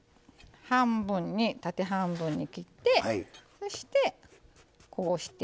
半分に縦半分に切ってそしてこうして。